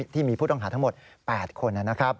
ที่มีผู้ต้องหาทั้งหมด๘คนนะครับ